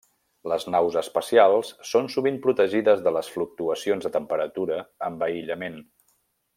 Les naus espacials són sovint protegides de les fluctuacions de temperatura amb aïllament.